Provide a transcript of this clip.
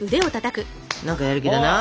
何かやる気だな？